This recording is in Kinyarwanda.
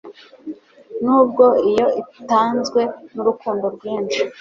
nubwo iyo itanzwe nurukundo rwinshi